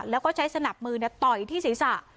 แล้วก็ใช้สนับมือต่อยที่ศีรษะ